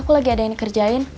aku lagi ada yang dikerjain